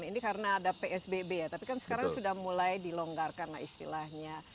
ini karena ada psbb ya tapi kan sekarang sudah mulai dilonggarkan lah istilahnya